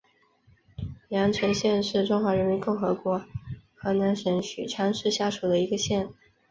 襄城县是中华人民共和国河南省许昌市下属的一个县。